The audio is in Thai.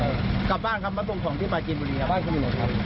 แล้วกลับบ้านใหม่ตรงที่มากินบุรีบ้านเขามีไหน